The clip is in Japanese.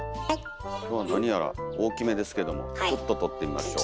今日は何やら大きめですけどもちょっと取ってみましょう。